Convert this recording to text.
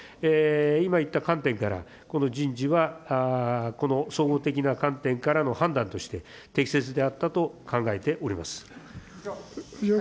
今言った観点から、この人事は、この総合的な観点からの判断として、適切であったと考えております。